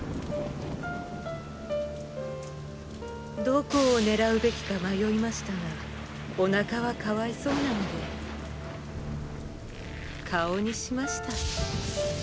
どこを狙うべきか迷いましたがお腹はかわいそうなので顔にしました。